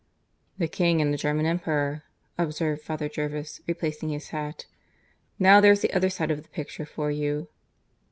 "The King and the German Emperor," observed Father Jervis, replacing his hat. "Now there's the other side of the picture for you."